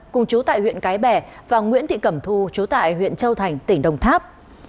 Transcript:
cùng chú tại huyện cái bè và nguyễn thị cẩm thu chú tại huyện châu thành tỉnh đồng tháp